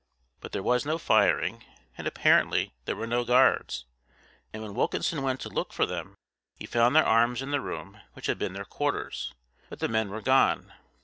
But there was no firing, and apparently there were no guards, and when Wilkinson went to look for them, he found their arms in the room which had been their quarters, but the men were gone.